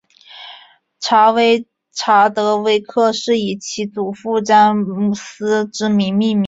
查德威克是以其祖父詹姆斯之名命名。